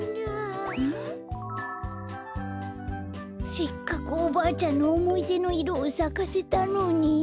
せっかくおばあちゃんのおもいでのいろをさかせたのに。